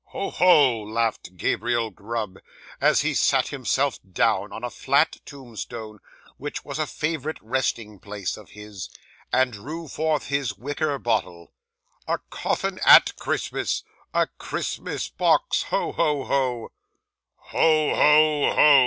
'"Ho! ho!" laughed Gabriel Grub, as he sat himself down on a flat tombstone which was a favourite resting place of his, and drew forth his wicker bottle. "A coffin at Christmas! A Christmas box! Ho! ho! ho!" '"Ho! ho! ho!"